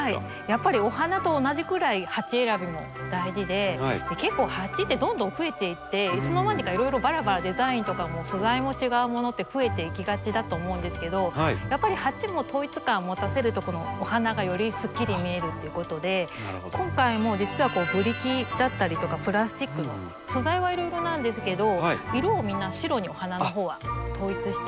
やっぱりお花と同じくらい鉢選びも大事で結構鉢ってどんどん増えていっていつの間にかいろいろばらばらデザインとかも素材も違うものって増えていきがちだと思うんですけどやっぱり鉢も統一感持たせるとお花がよりすっきり見えるということで今回も実はブリキだったりとかプラスチックの素材はいろいろなんですけど色をみんな白にお花のほうは統一しています。